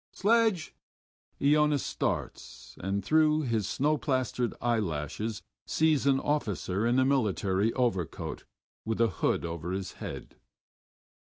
"Sledge!" Iona starts, and through his snow plastered eyelashes sees an officer in a military overcoat with a hood over his head.